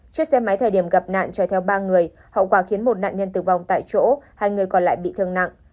chiếc xe máy thời điểm gặp nạn chạy theo ba người hậu quả khiến một nạn nhân tử vong tại chỗ hai người còn lại bị thương nặng